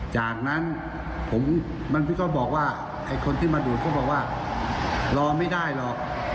จากนั้นผมก็บอกว่าไอ้คนที่มาดูดเขาบอกว่ารอไม่ได้หรอก